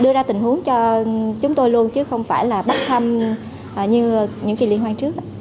đưa ra tình huống cho chúng tôi luôn chứ không phải là bắt thăm như những kỳ liên hoan trước